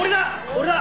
俺だ！